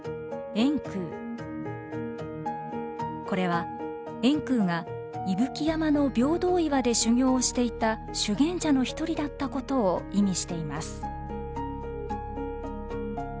これは円空が伊吹山の平等岩で修行をしていた修験者の一人だったことを意味しています。